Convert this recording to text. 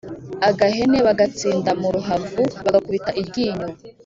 agahene/ bagatsinda mu ruhavu/ bagakubita iryinyo